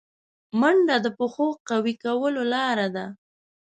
منډه د پښو قوي کولو لاره ده